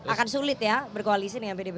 akan sulit ya berkoalisi dengan pdb